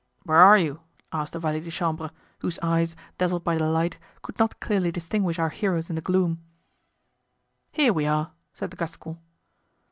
"Where are you?" asked the valet de chambre, whose eyes, dazzled by the light, could not clearly distinguish our heroes in the gloom. "Here we are," said the Gascon.